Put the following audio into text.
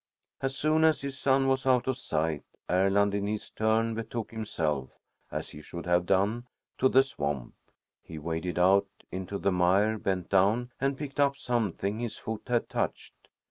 As soon as his son was out of sight, Erland, in his turn, betook himself, as he should have done, to the swamp. He waded out into the mire, bent down, and picked up something his foot had touched.